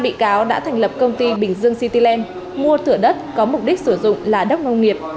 năm bị cáo đã thành lập công ty bình dương cityland mua thửa đất có mục đích sử dụng là đất nông nghiệp